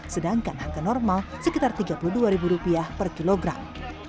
sedangkan harga normal sekitar rp tiga puluh dua per kilogram